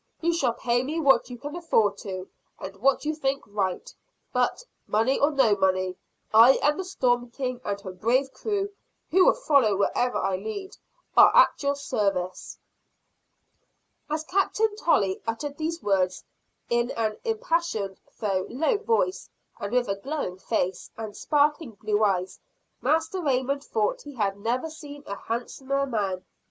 You shall pay me what you can afford to, and what you think right; but, money or no money, I and the Storm King, and her brave crew, who will follow wherever I lead, are at your service!" As Captain Tolley uttered these words, in an impassioned, though low voice, and with a glowing face and sparkling blue eyes, Master Raymond thought he had never seen a handsomer man.